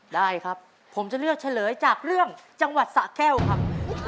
ได้ครับผมจะเลือกเฉลยจากเรื่องจังหวัดสะแก้วครับ